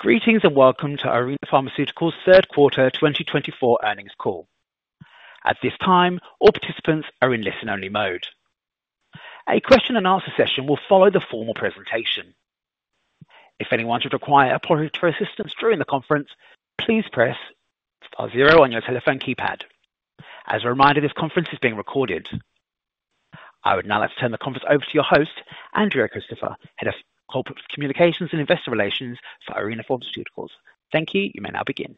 Greetings and welcome to Aurinia Pharmaceuticals' third quarter 2024 earnings call. At this time, all participants are in listen-only mode. A question-and-answer session will follow the formal presentation. If anyone should require a point of assistance during the conference, please press star zero on your telephone keypad. As a reminder, this conference is being recorded. I would now like to turn the conference over to your host, Andrea Christopher, Head of Corporate Communications and Investor Relations for Aurinia Pharmaceuticals. Thank you. You may now begin.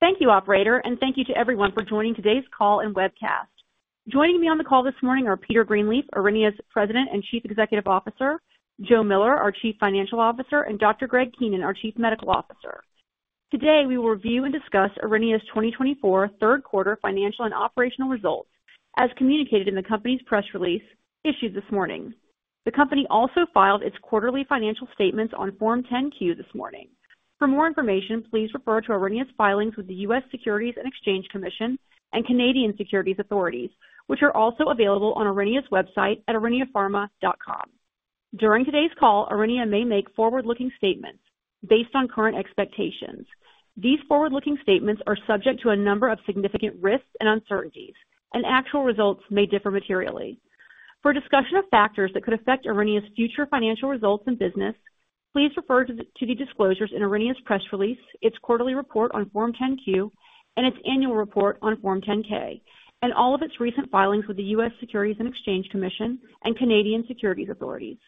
Thank you, Operator, and thank you to everyone for joining today's call and webcast. Joining me on the call this morning are Peter Greenleaf, Aurinia's President and Chief Executive Officer, Joe Miller, our Chief Financial Officer, and Dr. Greg Keenan, our Chief Medical Officer. Today, we will review and discuss Aurinia's 2024 third quarter financial and operational results, as communicated in the company's press release issued this morning. The company also filed its quarterly financial statements on Form 10-Q this morning. For more information, please refer to Aurinia's filings with the U.S. Securities and Exchange Commission and Canadian Securities Authorities, which are also available on Aurinia's website at auriniapharma.com. During today's call, Aurinia may make forward-looking statements based on current expectations. These forward-looking statements are subject to a number of significant risks and uncertainties, and actual results may differ materially. For discussion of factors that could affect Aurinia's future financial results and business, please refer to the disclosures in Aurinia's press release, its quarterly report on Form 10-Q, and its annual report on Form 10-K, and all of its recent filings with the U.S. Securities and Exchange Commission and Canadian Securities Authorities.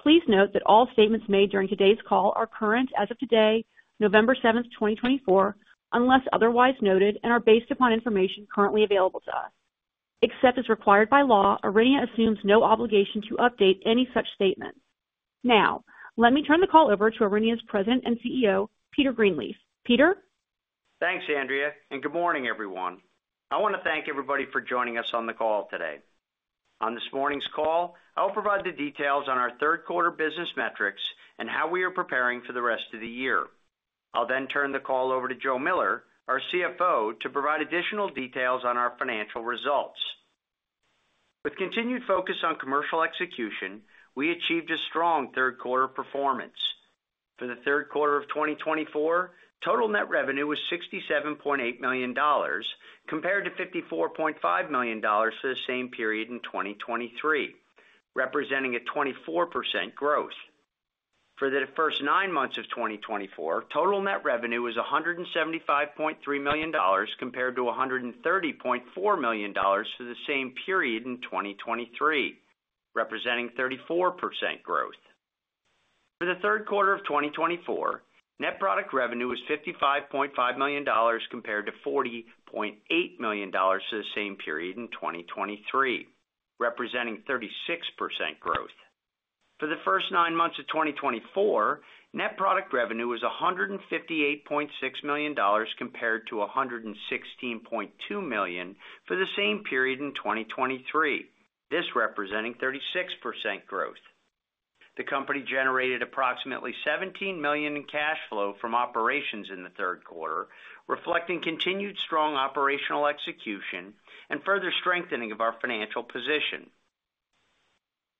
Please note that all statements made during today's call are current as of today, November 7th, 2024, unless otherwise noted, and are based upon information currently available to us. Except as required by law, Aurinia assumes no obligation to update any such statements. Now, let me turn the call over to Aurinia's President and CEO, Peter Greenleaf. Peter. Thanks, Andrea, and good morning, everyone. I want to thank everybody for joining us on the call today. On this morning's call, I will provide the details on our third quarter business metrics and how we are preparing for the rest of the year. I'll then turn the call over to Joe Miller, our CFO, to provide additional details on our financial results. With continued focus on commercial execution, we achieved a strong third quarter performance. For the third quarter of 2024, total net revenue was $67.8 million, compared to $54.5 million for the same period in 2023, representing a 24% growth. For the first nine months of 2024, total net revenue was $175.3 million, compared to $130.4 million for the same period in 2023, representing 34% growth. For the third quarter of 2024, net product revenue was $55.5 million, compared to $40.8 million for the same period in 2023, representing 36% growth. For the first nine months of 2024, net product revenue was $158.6 million, compared to $116.2 million for the same period in 2023, this representing 36% growth. The company generated approximately $17 million in cash flow from operations in the third quarter, reflecting continued strong operational execution and further strengthening of our financial position.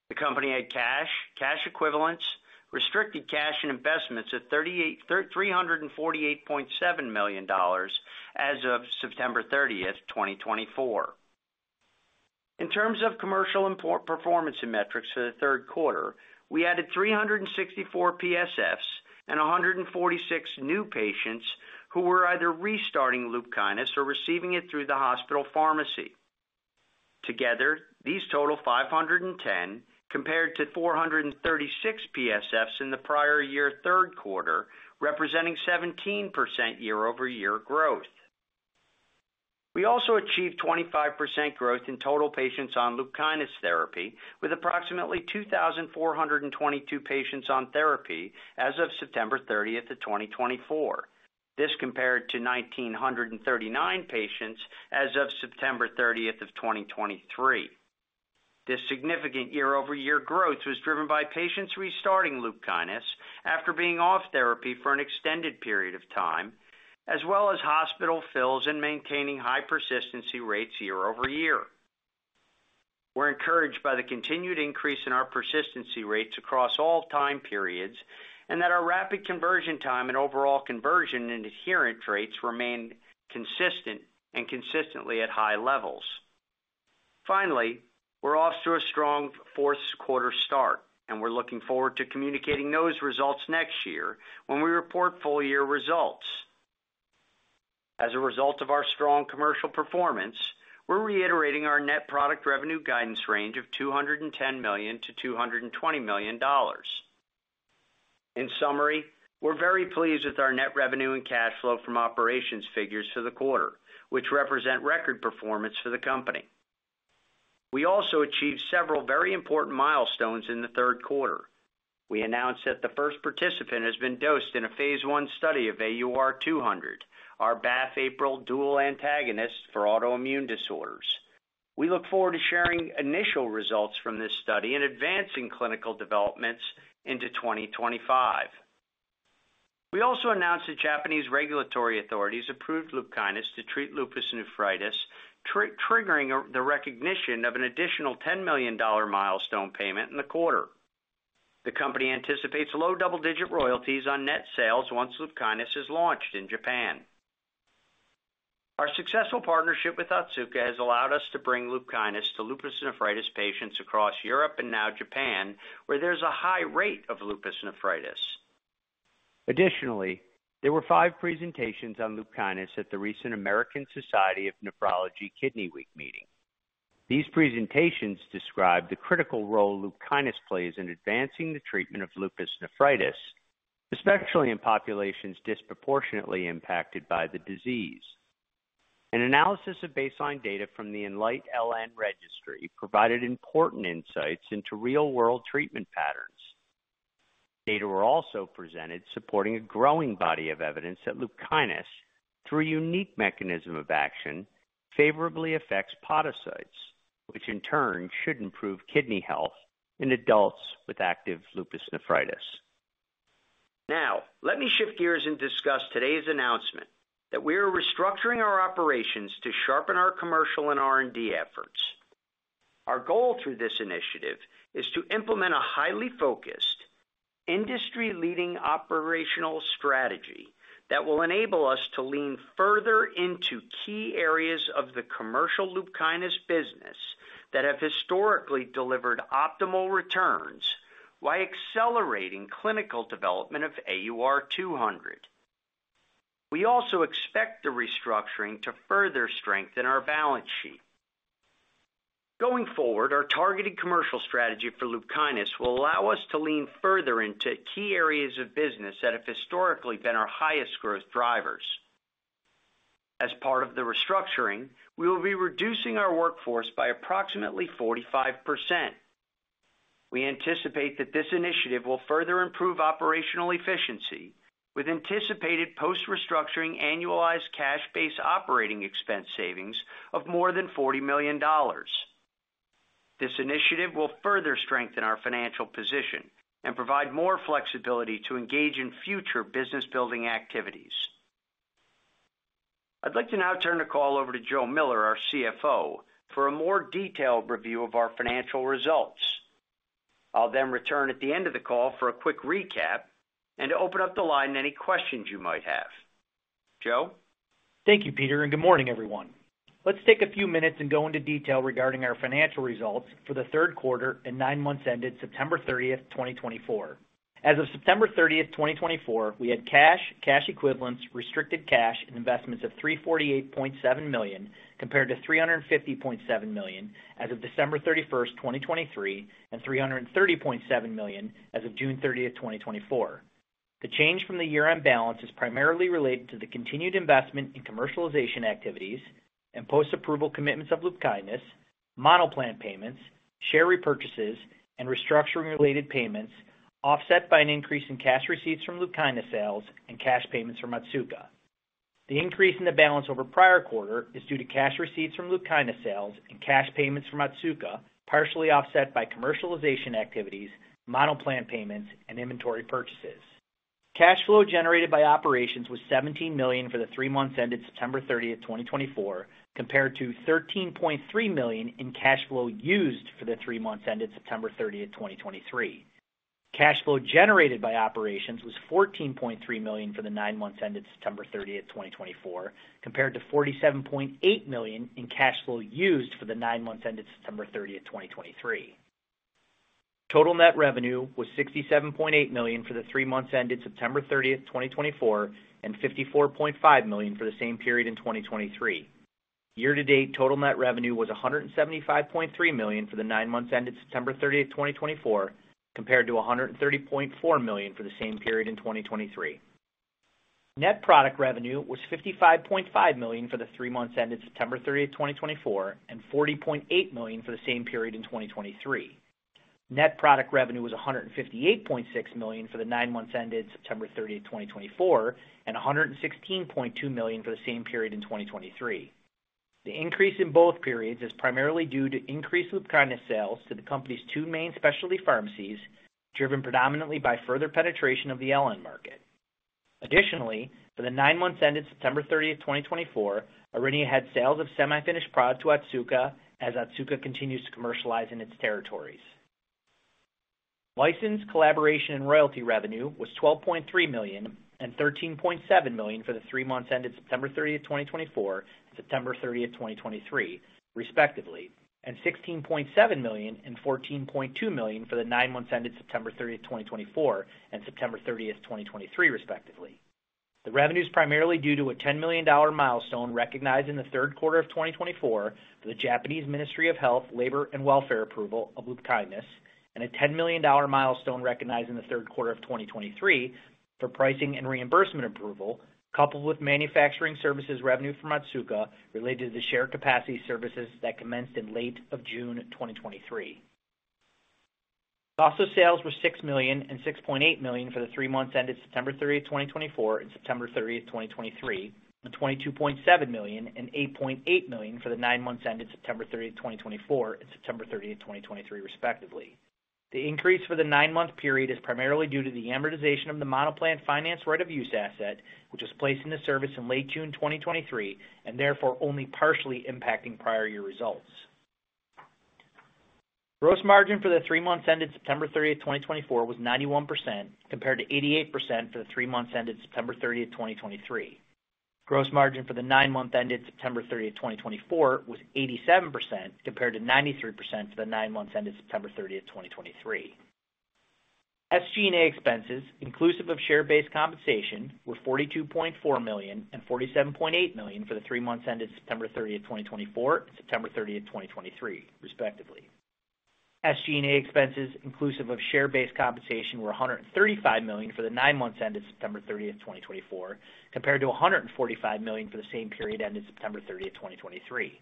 The company had cash, cash equivalents, restricted cash, and investments of $348.7 million as of September 30th, 2024. In terms of commercial performance and metrics for the third quarter, we added 364 PSFs and 146 new patients who were either restarting LUPKYNIS or receiving it through the hospital pharmacy. Together, these total 510, compared to 436 PSFs in the prior year third quarter, representing 17% year-over-year growth. We also achieved 25% growth in total patients on LUPKYNIS therapy, with approximately 2,422 patients on therapy as of September 30th of 2024. This compared to 1,939 patients as of September 30th of 2023. This significant year-over-year growth was driven by patients restarting LUPKYNIS after being off therapy for an extended period of time, as well as hospital fills and maintaining high persistency rates year-over-year. We're encouraged by the continued increase in our persistency rates across all time periods and that our rapid conversion time and overall conversion and adherence rates remain consistent and consistently at high levels. Finally, we're off to a strong fourth quarter start, and we're looking forward to communicating those results next year when we report full-year results. As a result of our strong commercial performance, we're reiterating our net product revenue guidance range of $210 million-$220 million. In summary, we're very pleased with our net revenue and cash flow from operations figures for the quarter, which represent record performance for the company. We also achieved several very important milestones in the third quarter. We announced that the first participant has been dosed in a phase I study of AUR200, our BAFF/APRIL dual antagonist for autoimmune disorders. We look forward to sharing initial results from this study and advancing clinical developments into 2025. We also announced that Japanese regulatory authorities approved LUPKYNIS to treat lupus nephritis, triggering the recognition of an additional $10 million milestone payment in the quarter. The company anticipates low double-digit royalties on net sales once LUPKYNIS is launched in Japan. Our successful partnership with Otsuka has allowed us to bring LUPKYNIS to lupus nephritis patients across Europe and now Japan, where there's a high rate of lupus nephritis. Additionally, there were five presentations on LUPKYNIS at the recent American Society of Nephrology Kidney Week meeting. These presentations described the critical role LUPKYNIS plays in advancing the treatment of lupus nephritis, especially in populations disproportionately impacted by the disease. An analysis of baseline data from the ENLIGHT-LN Registry provided important insights into real-world treatment patterns. Data were also presented supporting a growing body of evidence that LUPKYNIS, through a unique mechanism of action, favorably affects podocytes, which in turn should improve kidney health in adults with active lupus nephritis. Now, let me shift gears and discuss today's announcement that we are restructuring our operations to sharpen our commercial and R&D efforts. Our goal through this initiative is to implement a highly focused, industry-leading operational strategy that will enable us to lean further into key areas of the commercial LUPKYNIS business that have historically delivered optimal returns by accelerating clinical development of AUR200. We also expect the restructuring to further strengthen our balance sheet. Going forward, our targeted commercial strategy for LUPKYNIS will allow us to lean further into key areas of business that have historically been our highest growth drivers. As part of the restructuring, we will be reducing our workforce by approximately 45%. We anticipate that this initiative will further improve operational efficiency, with anticipated post-restructuring annualized cash-based operating expense savings of more than $40 million. This initiative will further strengthen our financial position and provide more flexibility to engage in future business-building activities. I'd like to now turn the call over to Joe Miller, our CFO, for a more detailed review of our financial results. I'll then return at the end of the call for a quick recap and open up the line to any questions you might have. Joe? Thank you, Peter, and good morning, everyone. Let's take a few minutes and go into detail regarding our financial results for the third quarter and nine months ended September 30th, 2024. As of September 30th, 2024, we had cash, cash equivalents, restricted cash, and investments of $348.7 million compared to $350.7 million as of December 31st, 2023, and $330.7 million as of June 30th, 2024. The change from the year-end balance is primarily related to the continued investment in commercialization activities and post-approval commitments of LUPKYNIS, Lonza payments, share repurchases, and restructuring-related payments, offset by an increase in cash receipts from LUPKYNIS sales and cash payments from Otsuka. The increase in the balance over prior quarter is due to cash receipts from LUPKYNIS sales and cash payments from Otsuka, partially offset by commercialization activities, Lonza payments, and inventory purchases. Cash flow generated by operations was $17 million for the three months ended September 30th, 2024, compared to $13.3 million in cash flow used for the three months ended September 30th, 2023. Cash flow generated by operations was $14.3 million for the nine months ended September 30th, 2024, compared to $47.8 million in cash flow used for the nine months ended September 30th, 2023. Total net revenue was $67.8 million for the three months ended September 30th, 2024, and $54.5 million for the same period in 2023. Year-to-date total net revenue was $175.3 million for the nine months ended September 30th, 2024, compared to $130.4 million for the same period in 2023. Net product revenue was $55.5 million for the three months ended September 30th, 2024, and $40.8 million for the same period in 2023. Net product revenue was $158.6 million for the nine months ended September 30th, 2024, and $116.2 million for the same period in 2023. The increase in both periods is primarily due to increased LUPKYNIS sales to the company's two main specialty pharmacies, driven predominantly by further penetration of the LN market. Additionally, for the nine months ended September 30th, 2024, Aurinia had sales of semi-finished product to Otsuka as Otsuka continues to commercialize in its territories. License, collaboration, and royalty revenue was $12.3 million and $13.7 million for the three months ended September 30th, 2024, and September 30th, 2023, respectively, and $16.7 million and $14.2 million for the nine months ended September 30th, 2024, and September 30th, 2023, respectively. The revenue is primarily due to a $10 million milestone recognized in the third quarter of 2024 for the Japanese Ministry of Health, Labour, and Welfare approval of LUPKYNIS, and a $10 million milestone recognized in the third quarter of 2023 for pricing and reimbursement approval, coupled with manufacturing services revenue from Otsuka related to the shared capacity services that commenced in late June 2023. Cost of sales was $6 million and $6.8 million for the three months ended September 30th, 2024, and September 30th, 2023, and $22.7 million and $8.8 million for the nine months ended September 30th, 2024, and September 30th, 2023, respectively. The increase for the nine-month period is primarily due to the amortization of the Lonza finance right-of-use asset, which was placed into service in late June 2023 and therefore only partially impacting prior-year results. Gross margin for the three months ended September 30th, 2024, was 91% compared to 88% for the three months ended September 30th, 2023. Gross margin for the nine months ended September 30th, 2024, was 87% compared to 93% for the nine months ended September 30th, 2023. SG&A expenses, inclusive of share-based compensation, were $42.4 million and $47.8 million for the three months ended September 30th, 2024, and September 30th, 2023, respectively. SG&A expenses, inclusive of share-based compensation, were $135 million for the nine months ended September 30th, 2024, compared to $145 million for the same period ended September 30th, 2023.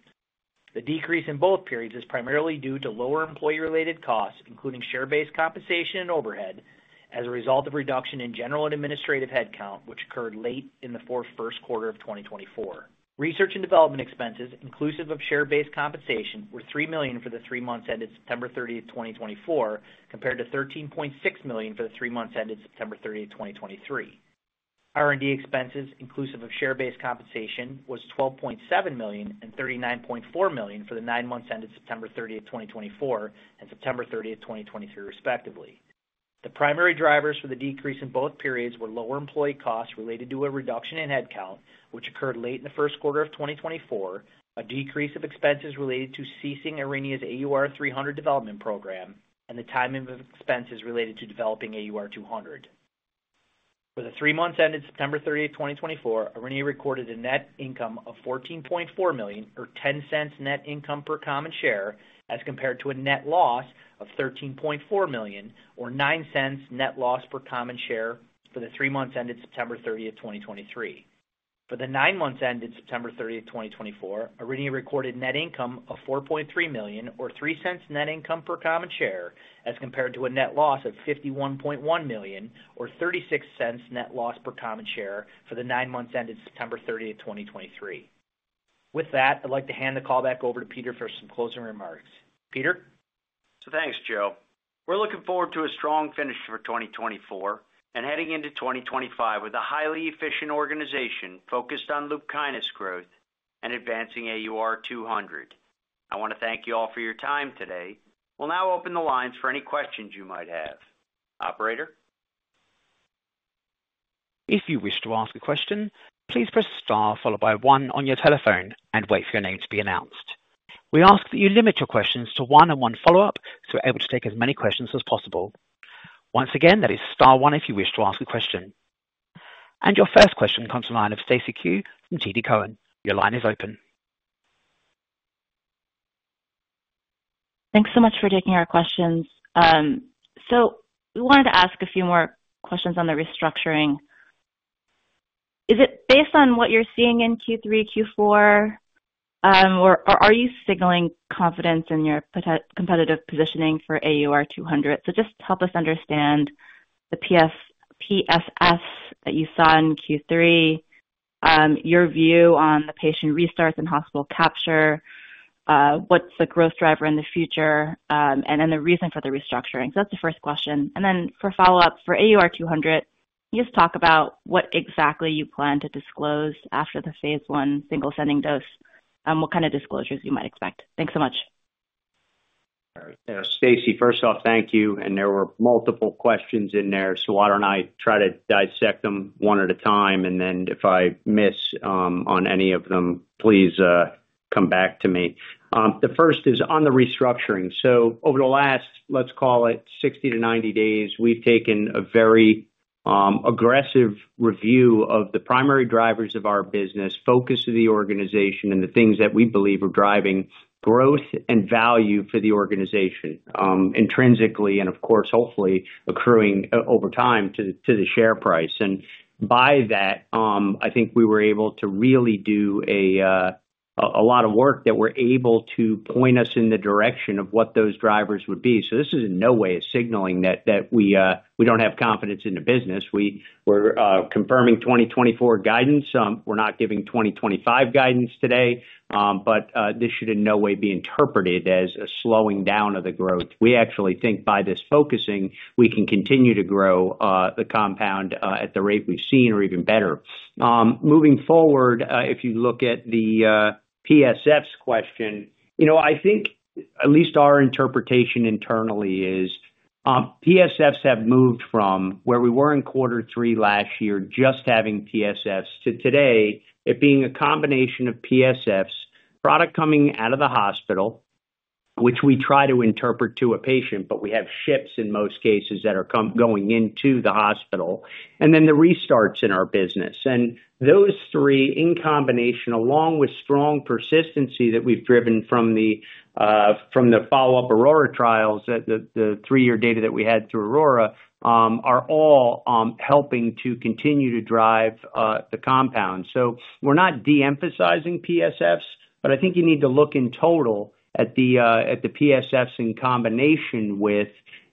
The decrease in both periods is primarily due to lower employee-related costs, including share-based compensation and overhead, as a result of reduction in general and administrative headcount, which occurred late in the first quarter of 2024. Research and development expenses, inclusive of share-based compensation, were $3 million for the three months ended September 30th, 2024, compared to $13.6 million for the three months ended September 30th, 2023. R&D expenses, inclusive of share-based compensation, was $12.7 million and $39.4 million for the nine months ended September 30th, 2024, and September 30th, 2023, respectively. The primary drivers for the decrease in both periods were lower employee costs related to a reduction in headcount, which occurred late in the first quarter of 2024, a decrease of expenses related to ceasing Aurinia's AUR300 development program, and the timing of expenses related to developing AUR200. For the three months ended September 30th, 2024, Aurinia recorded a net income of $14.4 million, or $0.10 net income per common share, as compared to a net loss of $13.4 million, or $0.09 net loss per common share for the three months ended September 30th, 2023. For the nine months ended September 30th, 2024, Aurinia recorded net income of $4.3 million, or $0.03 net income per common share, as compared to a net loss of $51.1 million, or $0.36 net loss per common share for the nine months ended September 30th, 2023. With that, I'd like to hand the call back over to Peter for some closing remarks. Peter? Thanks, Joe. We're looking forward to a strong finish for 2024 and heading into 2025 with a highly efficient organization focused on LUPKYNIS growth and advancing AUR200. I want to thank you all for your time today. We'll now open the lines for any questions you might have. Operator? If you wish to ask a question, please press star followed by one on your telephone and wait for your name to be announced. We ask that you limit your questions to one-on-one follow-up so we're able to take as many questions as possible. Once again, that is star one if you wish to ask a question. And your first question comes from the line of Stacy Ku from TD Cowen. Your line is open. Thanks so much for taking our questions. So we wanted to ask a few more questions on the restructuring. Is it based on what you're seeing in Q3, Q4, or are you signaling confidence in your competitive positioning for AUR200? So just help us understand the PSFs that you saw in Q3, your view on the patient restarts and hospital capture, what's the growth driver in the future, and then the reason for the restructuring. So that's the first question. And then for follow-up for AUR200, you just talk about what exactly you plan to disclose after the phase I single ascending dose and what kind of disclosures you might expect. Thanks so much. Stacy, first off, thank you, and there were multiple questions in there, so why don't I try to dissect them one at a time, and then if I miss on any of them, please come back to me. The first is on the restructuring, so over the last, let's call it 60-90 days, we've taken a very aggressive review of the primary drivers of our business, focus of the organization, and the things that we believe are driving growth and value for the organization intrinsically and, of course, hopefully, accruing over time to the share price, and by that, I think we were able to really do a lot of work that were able to point us in the direction of what those drivers would be, so this is in no way a signaling that we don't have confidence in the business. We're confirming 2024 guidance. We're not giving 2025 guidance today, but this should in no way be interpreted as a slowing down of the growth. We actually think by this focusing, we can continue to grow the compound at the rate we've seen or even better. Moving forward, if you look at the PSFs question, I think at least our interpretation internally is PSFs have moved from where we were in quarter three last year just having PSFs to today it being a combination of PSFs, product coming out of the hospital, which we try to interpret to a patient, but we have shipments in most cases that are going into the hospital, and then the restarts in our business. And those three in combination, along with strong persistency that we've driven from the follow-up AURORA trials, the three-year data that we had through AURORA, are all helping to continue to drive the compound. We're not de-emphasizing PSFs, but I think you need to look in total at the PSFs in combination with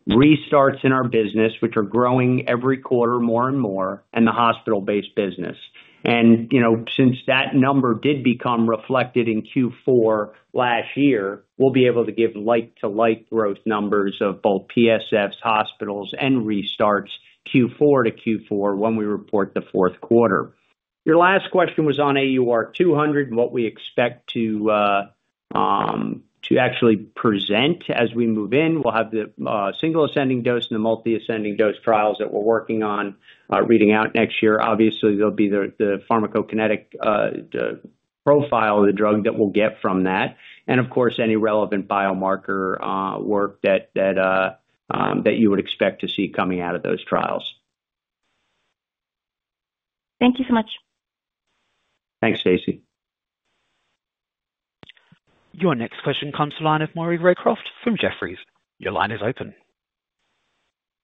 restarts in our business, which are growing every quarter more and more, and the hospital-based business. Since that number did become reflected in Q4 last year, we'll be able to give like-for-like growth numbers of both PSFs, hospitals, and restarts Q4 to Q4 when we report the fourth quarter. Your last question was on AUR200 and what we expect to actually present as we move in. We'll have the single ascending dose and the multiple ascending dose trials that we're working on reading out next year. Obviously, there'll be the pharmacokinetic profile of the drug that we'll get from that, and of course, any relevant biomarker work that you would expect to see coming out of those trials. Thank you so much. Thanks, Stacy. Your next question comes to the line of Maury Raycroft from Jefferies. Your line is open.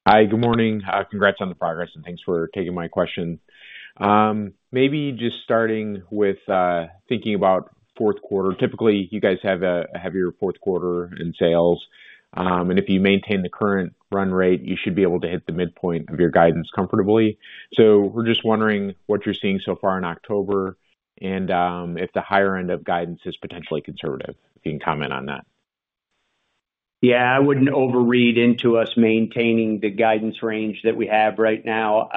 Hi, good morning. Congrats on the progress, and thanks for taking my question. Maybe just starting with thinking about fourth quarter. Typically, you guys have a heavier fourth quarter in sales, and if you maintain the current run rate, you should be able to hit the midpoint of your guidance comfortably. So we're just wondering what you're seeing so far in October and if the higher end of guidance is potentially conservative? If you can comment on that. Yeah, I wouldn't overread into us maintaining the guidance range that we have right now.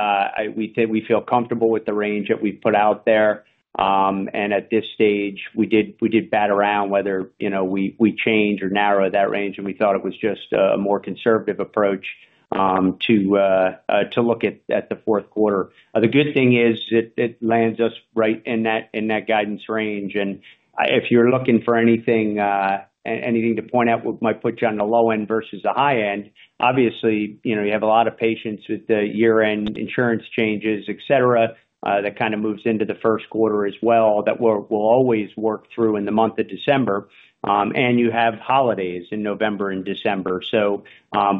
We feel comfortable with the range that we've put out there. And at this stage, we did bat around whether we change or narrow that range, and we thought it was just a more conservative approach to look at the fourth quarter. The good thing is it lands us right in that guidance range. And if you're looking for anything to point out, what might put you on the low end versus the high end, obviously, you have a lot of patients with the year-end insurance changes, etc., that kind of moves into the first quarter as well that we'll always work through in the month of December. And you have holidays in November and December. So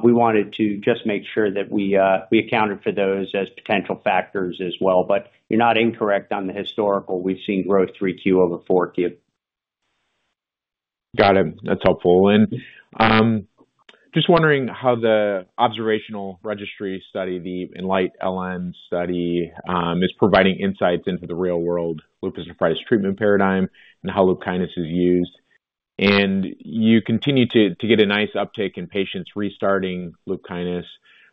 we wanted to just make sure that we accounted for those as potential factors as well. But you're not incorrect on the historical. We've seen growth 3Q over 4Q. Got it. That's helpful. And just wondering how the observational registry study, the ENLIGHT-LN study, is providing insights into the real-world LUPKYNIS and standard treatment paradigm and how LUPKYNIS is used. And you continue to get a nice uptake in patients restarting LUPKYNIS.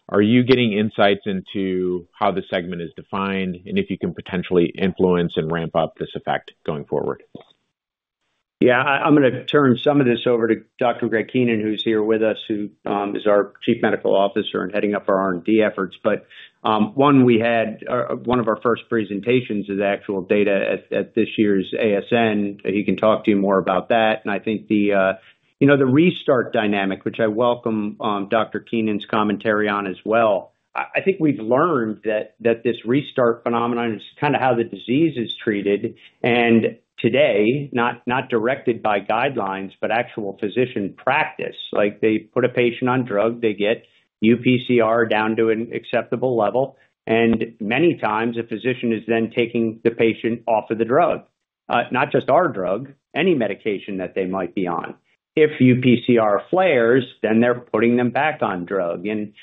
Are you getting insights into how the segment is defined and if you can potentially influence and ramp up this effect going forward? Yeah, I'm going to turn some of this over to Dr. Greg Keenan, who's here with us, who is our Chief Medical Officer and heading up our R&D efforts. But one, we had one of our first presentations of the actual data at this year's ASN. He can talk to you more about that, and I think the restart dynamic, which I welcome Dr. Keenan's commentary on as well. I think we've learned that this restart phenomenon is kind of how the disease is treated. And today, not directed by guidelines, but actual physician practice, they put a patient on drug, they get UPCR down to an acceptable level. And many times, a physician is then taking the patient off of the drug, not just our drug, any medication that they might be on. If UPCR flares, then they're putting them back on drug. And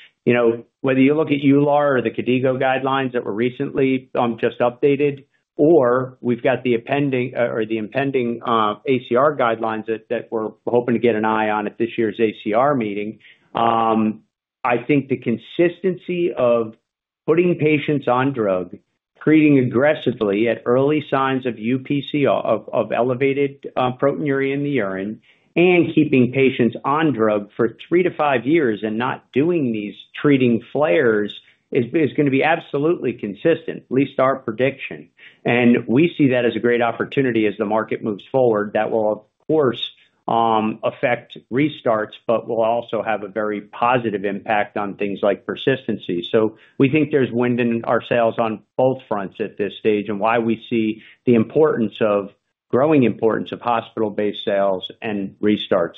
whether you look at EULAR or the KDIGO guidelines that were recently just updated, or we've got the impending ACR guidelines that we're hoping to get an eye on at this year's ACR meeting, I think the consistency of putting patients on drug, treating aggressively at early signs of UPCR, of elevated proteinuria in the urine, and keeping patients on drug for three to five years and not doing these treating flares is going to be absolutely consistent, at least our prediction. And we see that as a great opportunity as the market moves forward that will, of course, affect restarts, but will also have a very positive impact on things like persistency. So we think there's wind in our sails on both fronts at this stage and why we see the importance of growing importance of hospital-based sales and restarts.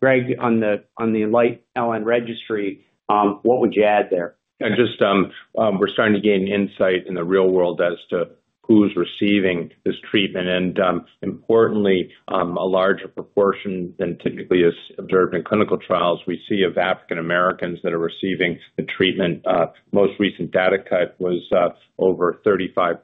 Greg, on the ENLIGHT-LN registry, what would you add there? Just, we're starting to gain insight in the real world as to who's receiving this treatment. And importantly, a larger proportion than typically is observed in clinical trials we see of African Americans that are receiving the treatment. Most recent data cut was over 35%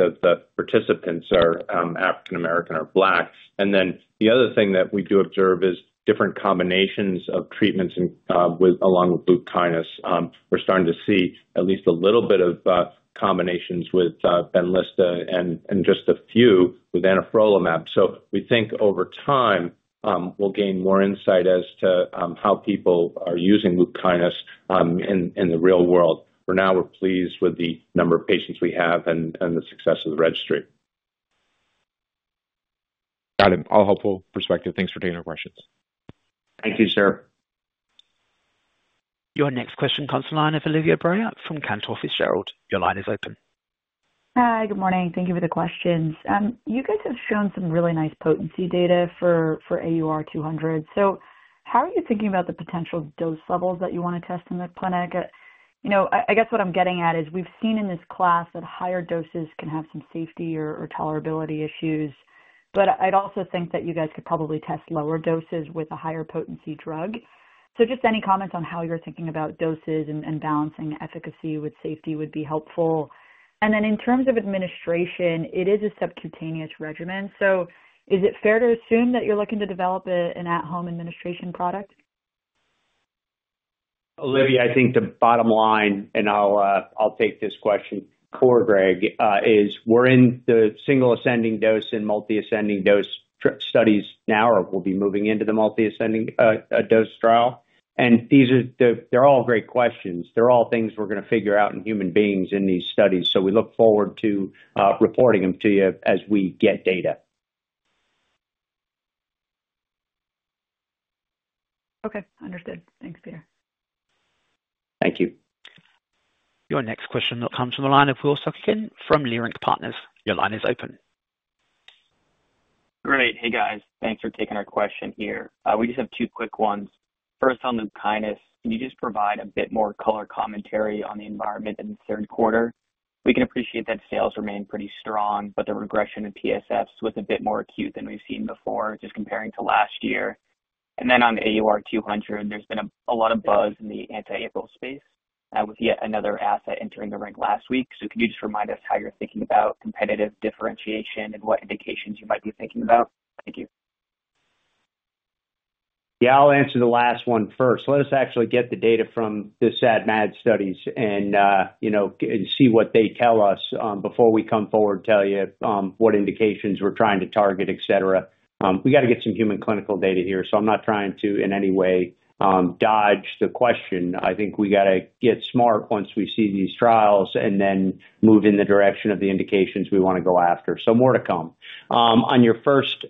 of the participants are African American or Black. And then the other thing that we do observe is different combinations of treatments along with LUPKYNIS. We're starting to see at least a little bit of combinations with BENLYSTA and just a few with anifrolumab. So we think over time, we'll gain more insight as to how people are using LUPKYNIS in the real world. For now, we're pleased with the number of patients we have and the success of the registry. Got it. All helpful perspective. Thanks for taking our questions. Thank you, sir. Your next question comes to the line of Olivia Brayer from Cantor Fitzgerald. Your line is open. Hi, good morning. Thank you for the questions. You guys have shown some really nice potency data for AUR200. So how are you thinking about the potential dose levels that you want to test in the clinic? I guess what I'm getting at is we've seen in this class that higher doses can have some safety or tolerability issues. But I'd also think that you guys could probably test lower doses with a higher potency drug. So just any comments on how you're thinking about doses and balancing efficacy with safety would be helpful. And then in terms of administration, it is a subcutaneous regimen. So is it fair to assume that you're looking to develop an at-home administration product? Olivia, I think the bottom line, and I'll take this question for Greg, is we're in the single ascending dose and multiple ascending dose studies now, or we'll be moving into the multiple ascending dose trial, and they're all great questions. They're all things we're going to figure out in human beings in these studies, so we look forward to reporting them to you as we get data. Okay. Understood. Thanks, Peter. Thank you. Your next question comes from the line of Will Soghikian from Leerink Partners. Your line is open. Great. Hey, guys. Thanks for taking our question here. We just have two quick ones. First, on LUPKYNIS, can you just provide a bit more color commentary on the environment in the third quarter? We can appreciate that sales remain pretty strong, but the regression in PSFs was a bit more acute than we've seen before just comparing to last year. And then on AUR200, there's been a lot of buzz in the anti-BAFF space with yet another asset entering the ring last week. So can you just remind us how you're thinking about competitive differentiation and what indications you might be thinking about? Thank you. Yeah, I'll answer the last one first. Let us actually get the data from the SAD-MAD studies and see what they tell us before we come forward and tell you what indications we're trying to target, etc. We got to get some human clinical data here. So I'm not trying to in any way dodge the question. I think we got to get smart once we see these trials and then move in the direction of the indications we want to go after. So more to come. On your first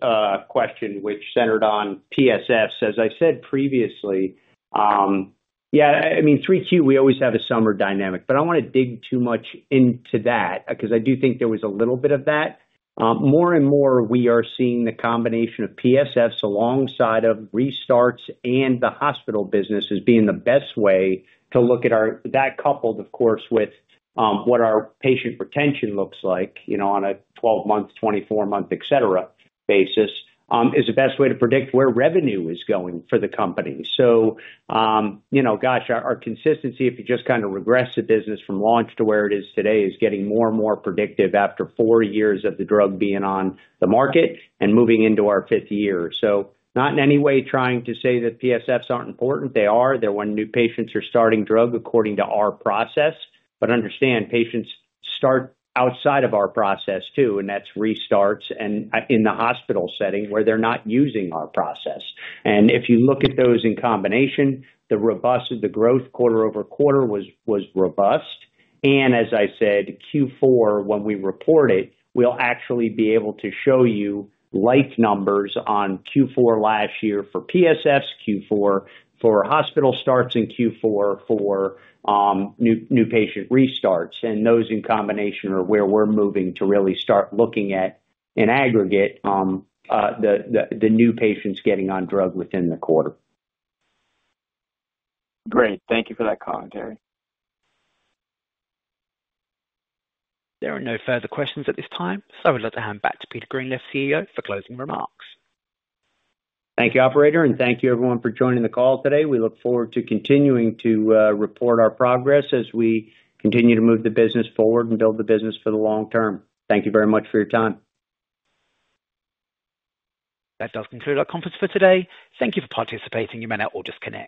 question, which centered on PSFs, as I said previously, yeah, I mean, 3Q, we always have a summer dynamic, but I don't want to dig too much into that because I do think there was a little bit of that. More and more, we are seeing the combination of PSFs alongside of restarts and the hospital business as being the best way to look at that coupled, of course, with what our patient retention looks like on a 12-month, 24-month, etc. basis is the best way to predict where revenue is going for the company. Gosh, our consistency, if you just kind of regress the business from launch to where it is today, is getting more and more predictive after four years of the drug being on the market and moving into our fifth year. Not in any way trying to say that PSFs aren't important. They are. They're when new patients are starting drug according to our process. Understand, patients start outside of our process too, and that's restarts in the hospital setting where they're not using our process. If you look at those in combination, the robustness of the growth quarter over quarter was robust. As I said, Q4, when we report it, we'll actually be able to show you like numbers on Q4 last year for PSFs, Q4 for hospital starts, and Q4 for new patient restarts. And those in combination are where we're moving to really start looking at in aggregate the new patients getting on drug within the quarter. Great. Thank you for that commentary. There are no further questions at this time. So I would like to hand back to Peter Greenleaf, CEO, for closing remarks. Thank you, operator. And thank you, everyone, for joining the call today. We look forward to continuing to report our progress as we continue to move the business forward and build the business for the long term. Thank you very much for your time. That does conclude our conference for today. Thank you for participating. You may now all just connect.